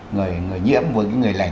người nhiễm với người lành